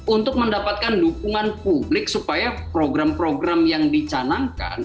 untuk mendapatkan dukungan publik supaya program program yang dicanangkan